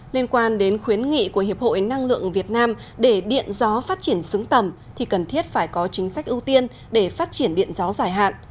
liên quan đến khuyến nghị của hiệp hội năng lượng việt nam để điện gió phát triển xứng tầm thì cần thiết phải có chính sách ưu tiên để phát triển điện gió dài hạn